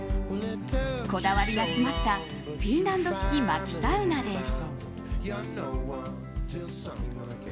こだわりが詰まったフィンランド式まきサウナです。